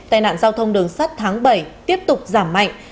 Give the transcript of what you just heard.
tai nạn giao thông đường sắt tháng bảy tiếp tục giảm mạnh